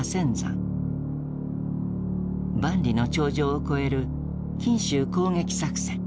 万里の長城を越える錦州攻撃作戦。